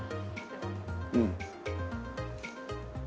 うん。